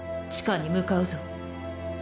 地下に向かうぞ。